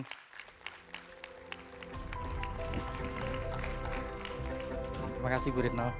terima kasih ibu reno